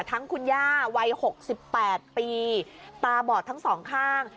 ทั้งคุณย่าวัย๖๘ปีตาบอดทั้งสองข้าง